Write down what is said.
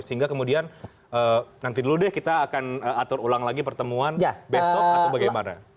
sehingga kemudian nanti dulu deh kita akan atur ulang lagi pertemuan besok atau bagaimana